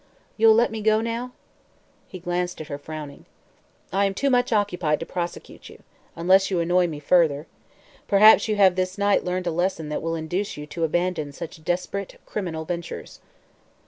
"You'll let me go, now?" He glanced at her, frowning. "I am too much occupied to prosecute you unless you annoy me further. Perhaps you have this night learned a lesson that will induce you to abandon such desperate, criminal ventures."